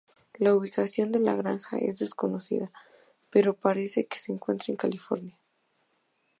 La ubicación de la granja es desconocida, pero parece que se encuentra en California.